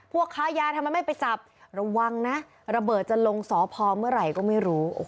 ค้ายาทำไมไม่ไปจับระวังนะระเบิดจะลงสพเมื่อไหร่ก็ไม่รู้